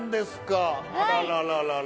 あららららら！